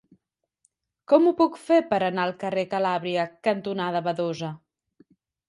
Com ho puc fer per anar al carrer Calàbria cantonada Badosa?